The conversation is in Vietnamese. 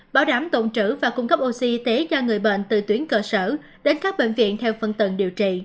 bảo đảm tụ trữ và cung cấp oxy y tế cho người bệnh từ tuyến cơ sở đến các bệnh viện theo phân tầng điều trị